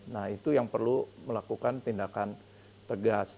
nah itu yang perlu melakukan tindakan tegas